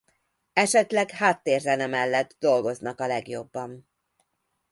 Esetleg háttérzene mellett dolgoznak a legjobban.